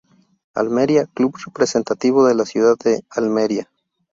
Almería, club representativo de la ciudad de Almería.